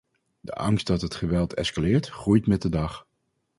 De angst dat het geweld escaleert, groeit met de dag.